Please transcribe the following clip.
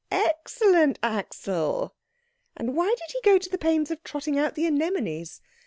Excellent Axel! And why did he go to the pains of trotting out the anemones?